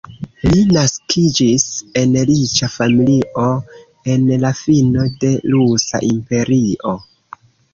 Li naskiĝis en riĉa familio en la fino de Rusa Imperio.